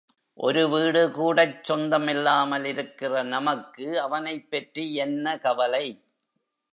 ஒரு வீடுகூடச் சொந்தம் இல்லாமல் இருக்கிற நமக்கு அவனைப் பற்றி என்ன கவலை?